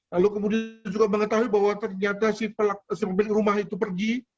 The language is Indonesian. lalu kemudian juga mengetahui bahwa ternyata si pemilik rumah itu pergi